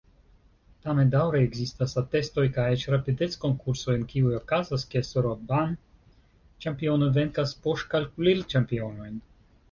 Tamen daŭre ekzistas atestoj kaj eĉ rapidec-konkursoj, en kiuj okazas, ke soroban-ĉampionoj venkas poŝkalkulil-ĉampionojn.